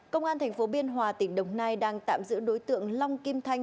công an thành phố biên hòa tỉnh đồng nai đang tạm giữ đối tượng long kim thanh